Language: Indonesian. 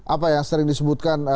apa yang sering disebutkan